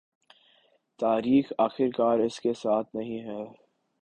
تاریخ آخرکار اس کے ساتھ نہیں ہے